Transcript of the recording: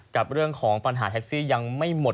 กับเรื่องของปัญหาแท็กซี่ยังไม่หมด